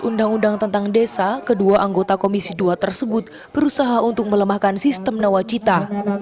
undang undang tentang desa kedua anggota komisi dua tersebut berusaha untuk melemahkan sistem nawacita